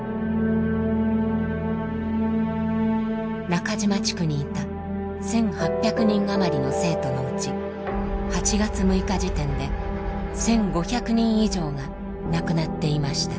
中島地区にいた１，８００人余りの生徒のうち８月６日時点で１，５００人以上が亡くなっていました。